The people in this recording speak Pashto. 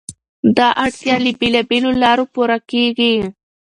دا اړتیا له بېلابېلو لارو پوره کېږي.